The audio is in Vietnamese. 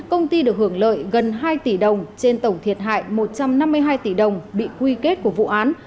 công ty được hưởng lợi gần hai tỷ đồng trên tổng thiệt hại một trăm năm mươi hai tỷ đồng bị quy kết của vụ án